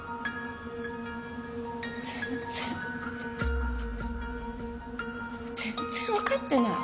全然。全然分かってない。